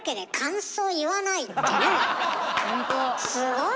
すごいね！